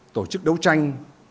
tổ chức đấu tranh